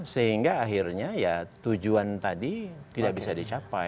sehingga akhirnya ya tujuan tadi tidak bisa dicapai